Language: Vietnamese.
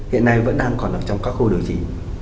hiện nay vẫn đang còn ở trong các khu điều trị